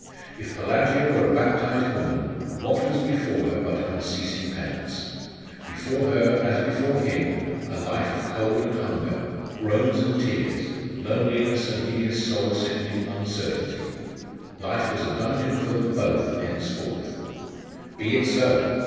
If Pelagia were a baptized woman, what was before her but unceasing penance? Before her, as before him, a life of cold and hunger, groans and tears, loneliness and hideous soul sickening uncertainty. Life was a dungeon for them both henceforth. Be it so!